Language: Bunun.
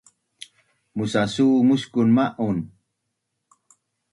musasu muskun ma’un